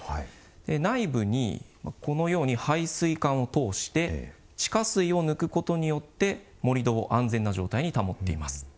内部にこのように排水管を通して地下水を抜くことによって盛土を安全な状態に保っています。